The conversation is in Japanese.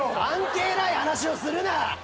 関係ない話をするな。